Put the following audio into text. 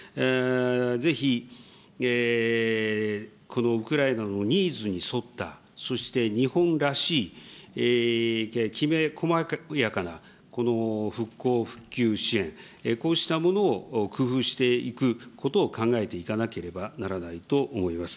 ぜひこのウクライナのニーズに沿った、そして日本らしいきめ細やかな復興・復旧支援、こうしたものを工夫していくことを考えていかなければならないと思います。